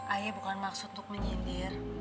ayah bukan maksud untuk menyindir